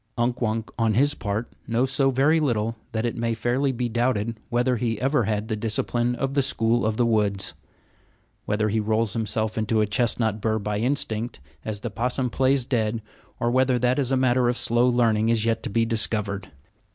Unk Wunk, on his part, knows so very little that it may fairly be doubted whether he ever had the discipline of the school of the woods. Whether he rolls himself into a chestnut bur by instinct, as the possum plays dead, or whether that is a matter of slow learning is yet to be discovered.